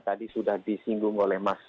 tadi sudah disinggung oleh mas